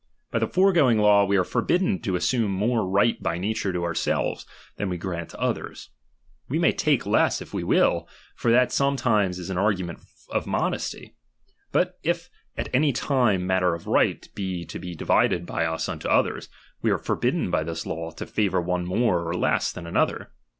By the foregoing law we are forbidden to assume more right by nature to ourselves, than we grant to others. We may take less if we will ; for that some times is an argument of modesty. But if at any time matter of right be to be divided by us unto others, we are forbidden by this law to favour one more oi" less than another.